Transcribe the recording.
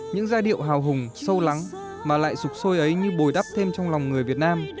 những giai điệu hào hùng sâu lắng mà lại sục sôi ấy như bồi đắp thêm trong lòng người việt nam